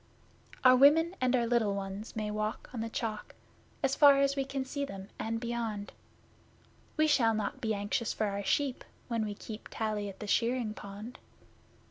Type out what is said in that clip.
Our women and our little ones may walk on the Chalk, As far as we can see them and beyond. We shall not be anxious for our sheep when we keep Tally at the shearing pond.